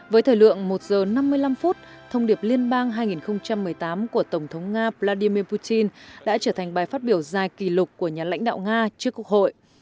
với thời lượng một giờ năm mươi năm phút thông điệp liên bang hai nghìn một mươi tám của tổng thống nga vladimir putin đã trở thành bài phát biểu dài kỷ lục của nhà lãnh đạo nga trước quốc hội